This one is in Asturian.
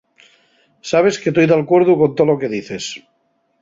Sabes que toi d'alcuerdu con tolo que dices.